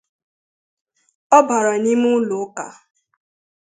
Ọ bara n’ime ụlọ ụka